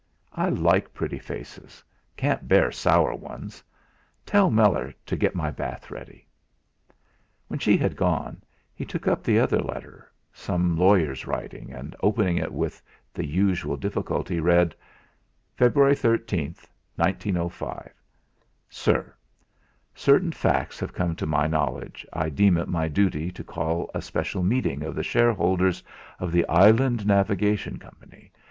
"I like pretty faces can't bear sour ones. Tell Meller to get my bath ready." When she had gone he took up the other letter some lawyer's writing, and opening it with the usual difficulty, read: "February 13, 1905. "SIR, Certain facts having come to my knowledge, I deem it my duty to call a special meeting of the shareholders of 'The Island Navigation Coy.